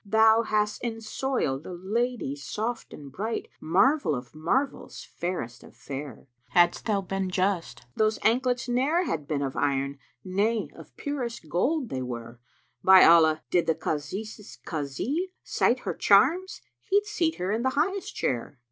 Thou hast ensoiled a lady soft and bright, * Marvel of marvels, fairest of the fair: Hadst thou been just, those anklets ne'er had been * Of iron: nay of purest gold they were: By Allah! did the Kázis' Kázi sight * Her charms, he'd seat her in the highest chair."